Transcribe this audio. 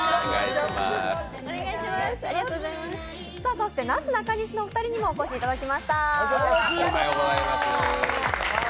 そしてなすなかにしのお二人にもお越しいただきました。